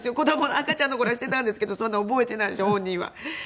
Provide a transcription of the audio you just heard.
赤ちゃんの頃はしていたんですけどそんなの覚えてないでしょ本人は。